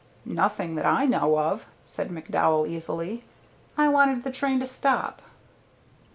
"Nothing that I know of," said McDowell, easily. "I wanted the train to stop."